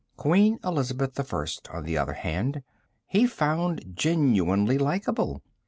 Queen Elizabeth I, on the other hand, he found genuinely likeable.